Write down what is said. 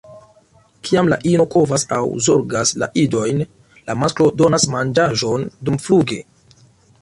Kiam la ino kovas aŭ zorgas la idojn, la masklo donas manĝaĵon dumfluge.